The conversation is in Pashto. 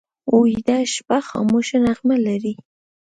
ویده شپه خاموشه نغمه لري